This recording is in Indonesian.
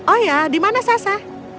oh ya di mana sasa